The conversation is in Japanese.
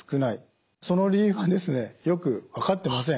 その理由はですねよく分かってません。